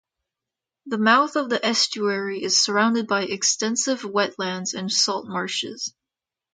The mouth of the estuary is surrounded by extensive wetlands and salt marshes.